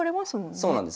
そうなんです。